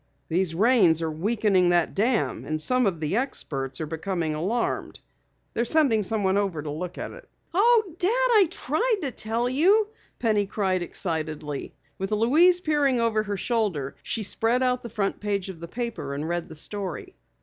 "These rains are weakening the dam and some of the experts are becoming alarmed. They are sending someone up to look it over." "Oh, Dad! I tried to tell you!" Penny cried excitedly. With Louise peering over her shoulder, she spread out the front page of the paper and read the story.